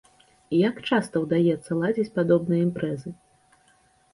Як часта ўдаецца ладзіць падобныя імпрэзы?